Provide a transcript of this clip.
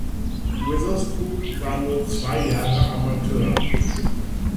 Witherspoon war nur zwei Jahre Amateur.